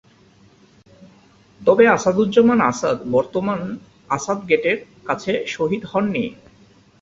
তবে আসাদুজ্জামান আসাদ বর্তমান আসাদ গেটের কাছে শহীদ হন নি।